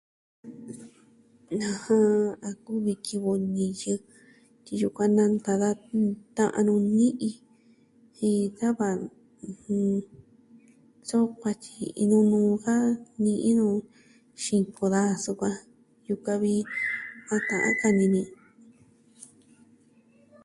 A kuvi kivɨ niyɨ ki yukuan nanta da ta'nu ni'i, jen da va... ɨjɨn, so kuatyi iin nuu nu ka ni'i nu, xiko da sukuan, yukuan vi a ta'an ka ini ni.